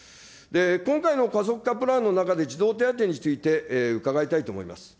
今回の加速化プランの中で、児童手当について伺いたいと思います。